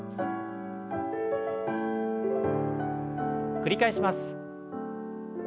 繰り返します。